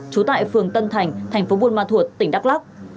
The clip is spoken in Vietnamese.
trú tại phường tân thành thành phố buôn ma thuột tỉnh đắk lắc